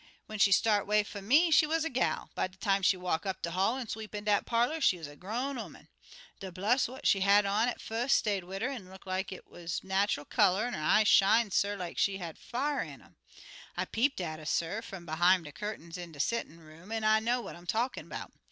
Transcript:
When she start 'way fum me, she wuz a gal. By de time she walk up de hall an' sweep in dat parlor, she wuz a grown 'oman. De blush what she had on at fust stayed wid 'er an' look like 't wuz er natchual color, an' her eyes shine, suh, like she had fire in um. I peeped at 'er, suh, fum behime de curtains in de settin' room, an' I know what I'm talkin' 'bout.